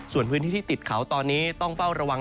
ส่วนพื้นที่ที่ติดเขาตอนนี้ต้องเฝ้าระวัง